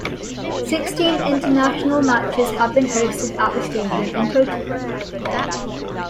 Sixteen international matches have been hosted at the stadium in total.